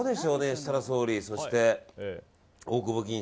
設楽総理そして、大久保議員